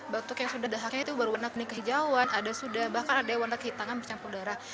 batuk yang sudah dahaknya itu baru warna pening kehijauan ada sudah bahkan ada warna kehidangan bercampur darah